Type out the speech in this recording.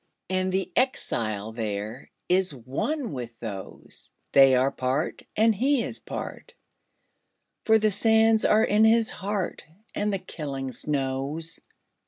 And the exile thereIs one with those; They are part, and he is part, For the sands are in his heart, And the killing snows.